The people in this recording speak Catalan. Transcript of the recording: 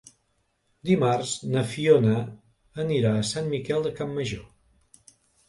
Dimarts na Fiona anirà a Sant Miquel de Campmajor.